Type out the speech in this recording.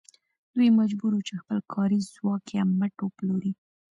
دوی مجبور وو چې خپل کاري ځواک یا مټ وپلوري